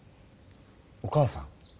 お母さん？